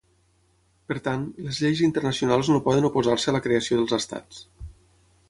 Per tant, les lleis internacionals no poden oposar-se a la creació dels estats.